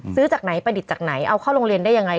ซื้อจากไหนประดิษฐ์จากไหนเอาเข้าโรงเรียนได้ยังไง